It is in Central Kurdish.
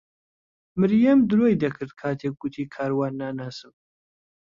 مریەم درۆی دەکرد کاتێک گوتی کاروان ناناسم.